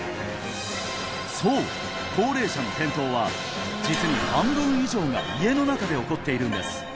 そう高齢者の転倒は実に半分以上が家の中で起こっているんです